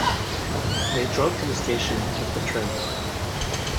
They drove to the station and took the train.